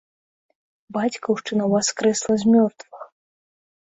Бацькаўшчына ўваскрэсла з мёртвых!